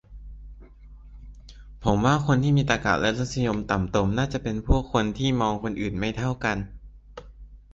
ผมว่าคนที่มีตรรกะและรสนิยมต่ำตมน่าจะเป็นพวกคนที่มองคนอื่นไม่เท่ากัน